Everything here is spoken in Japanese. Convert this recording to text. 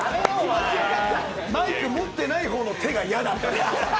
マイク持ってない方の手が嫌だ。